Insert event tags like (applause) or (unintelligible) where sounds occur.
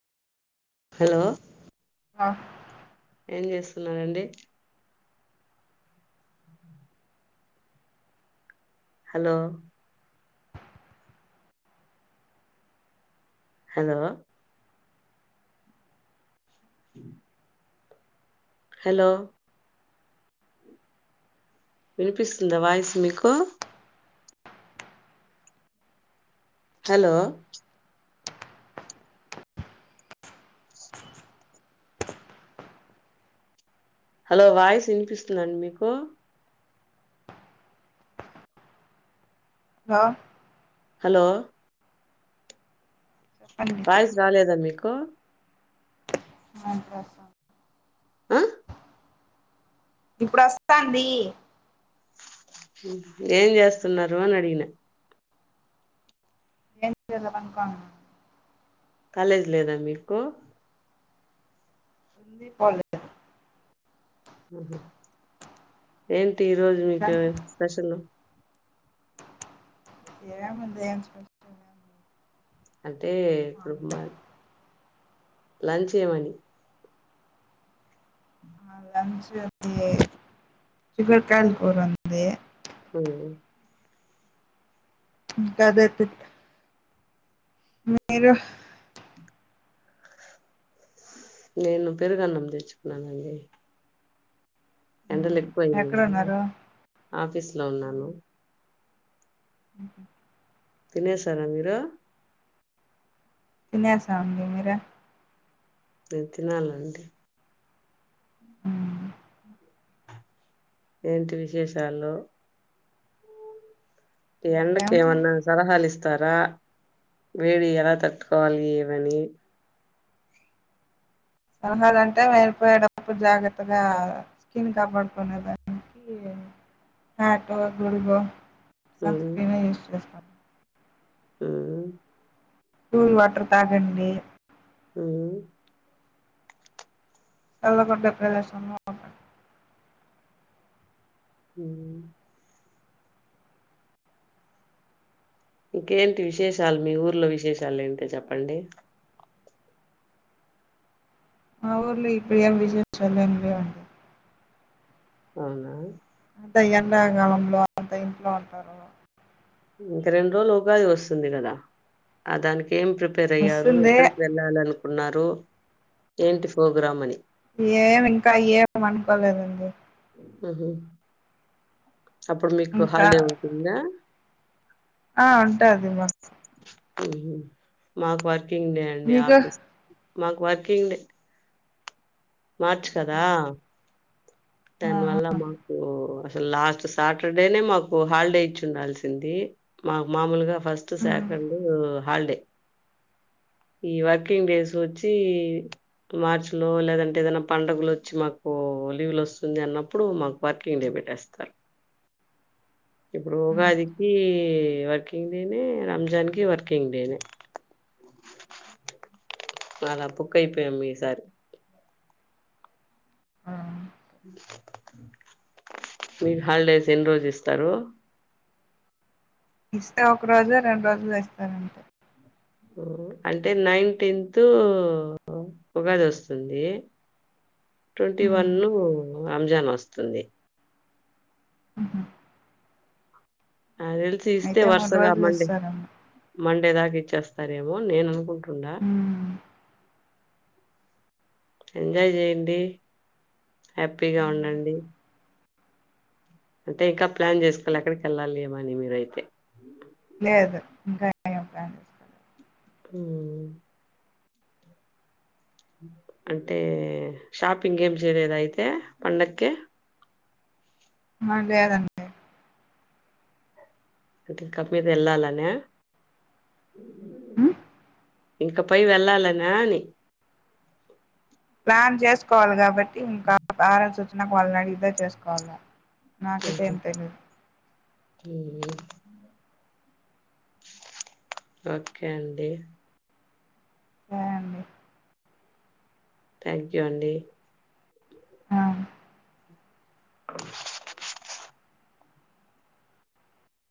Hello ఆ ఏం చేస్తున్నారండి. హలో హలో హ్ హలో వినిపిస్తుందా వాయిస్ మీకు హలో హలో వాయిస్ వినిపిస్తుందండి. మీకు హా హలో చెప్పండి వాయిస్ రాలేదా మీకు క్క అంట (unintelligible) ఆ ఇప్పుడు అస్తంది. ఏం జేస్తున్నారు అని అడిగిన ఏం లేదు పండుకున్న కాలేజ్ లేదా మీకు ఉంది పోలేదు ఆహ ఏం టి ఈ రోజు మీరా మీకు స్పెషల్ ఏముంది (unintelligible) అంటే ఇప్పుడు మామూలే మాది లంచ్ ఏమని లంచ అంది చిక్కుడు కాయల కూర ఉంది అ ఇంకా అదే తింట మీరు నేను పెరుగు అన్నం తెచ్చుకున్నాను అండి ఎండలు ఎక్కుఅయింది కదా ఎక్కడున్నారు ఆఫీస్ లో ఉన్నాను మ్మ్ తినేసారా మీరు తినేసా అండి మీరు నేన్ తినాలండి ఏంటి విశేషాలు ఏం ఎండకు ఏమన్న సలహా ఇస్ తారా వేడి ఎలా తట్టుకోవాలి ఏమని సలహాలంటే వెళ్ళిపోయేటప్పుడు జాగ్రత్తగా స్కిన్ కాపాడుకునేదానికి హ్యాట్ గుడిగో సన్ స్క్రీన్ యూజ్ చేస్తాను మ్మ్ కూల్ వాటర్ తాగండి మ్మ్ చల్లగుండె ప్రదేశం లో ఉండండి మ్మ్ ఇంకేంటి విశేషాలు మీ ఊర్లో విశేషాలు ఏంట చెప్పండి మా ఊర్లో ఇప్పుడు ఏం విశేషాలు ఏం లేవండి అవునా అంత ఎండాకాలంలో అంత ఇంట్లో ఉంటారు ఇంకా రెండు రోజులు ఉగాది వస్తుంది కదా ఆ దానికి ఏం ప్రిపేర్ అయ్యారు వస్తుంది ఎక్కడికి వెళ్ళాలను ఉన్నారు ఏంటి ప్రోగ్రామ్ అని ఏమి ఇంకా ఏం అనుకోలేదండి హ్మ్ హు అప్పుడు మీకు ఇంకా హాలిడే ఉంటుందా ఆ ఉంటాది మా హ్మ్ హు మాకు వర్ కింగ్ డే అండి మీకు ఆఫీస్ మాకు వర్కింగ్ డే మార్చ్ కదా తన్ వల్ల మాకు అసలు లాస్ట్ సాటర్డేనే మాకు హాలిడే ఇచ్చిండాల్సింది మాకు మామూలుగా ఫస్ట్ సెకండ్ హాలిడే ఈ వర్కింగ్ డేస్ వచ్చి మార్చి లో లేదంటే ఏదైనా పండుగలు వచ్చి మాకు లీవ్లు వస్ స్తుంది అన్నప్పుడు మాకు వర్కింగ్ డే పెట్టేస్తారు ఇప్పుడు ఉగాదికి వర్కింగ్ డేనే రంజాన్ కి వర్కింగ్ డేనే అలా పుక్కైపోయాం ఈ సారి మీకు హాలిడేస్ ఎన్ని రోజ్లు ఇస్తారు ఇస్తే ఒక రోజు రెండు రోజులు ఇస్తారంతే అంటే నైన్టీన్త్ ఉగాది వస్తుంది ట్వంటీ వన్న్ను రంజాన్ వస్తుంది నద్ తెలిసి ఇస్తే అయితే మూడు రోజులు వరుసగామ్మండి ఇస్తారమ్మ మండే దాకా ఇచ్చేస్తారేమో నేను అనుకుంటున్నా ఉండా ఎంజాయ్ చెయ్యిండి హ్యాపీగా ఉండండి అంటే ఇంకా ప్లాన్ చేసుకోలే ఏక్కడికేళ్ళాలి ఏమని మీరయితే లేదు ఇంకా ఏం ప్లాన్ చేసుకోలే హ్మ్ అంటే షాపింగ్ ఏం చేయలేదా అయితే పండక్కి అహ్ లేదండి అ ఇంకా మీద వెళ్ళాలనా ఇంక పై వెళ్ళాలనా అని ప్లాన్ చేసుకోవాలి కాబట్టి ఇంకా ఆహార సూచనకు వల్లనడిగితే చేసుకోవాలని నాకైతే ఏం తెలిదు ఉహ్ ఓకే అండి సరే అండి థ్యాంక్ యూ అండి ఆ